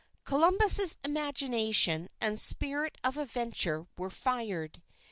Columbus's imagination and spirit of adventure were fired.